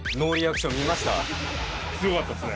すごかったですね。